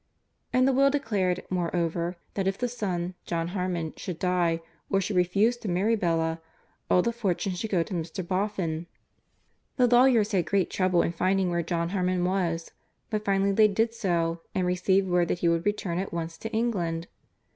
And the will declared, moreover, that if the son, John Harmon, should die, or should refuse to marry Bella, all the fortune should go to Mr. Boffin. The lawyers had great trouble in finding where John Harmon was, but finally they did so, and received word that he would return at once to England.